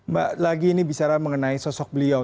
mbak lagi ini bicara mengenai sosok beliau